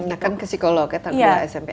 nah kan ke psikolog ya tadi udah smp